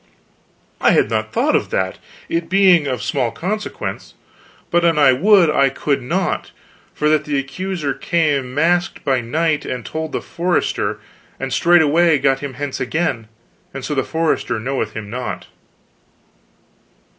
"I had not thought of that, it being but of small consequence. But an I would, I could not, for that the accuser came masked by night, and told the forester, and straightway got him hence again, and so the forester knoweth him not."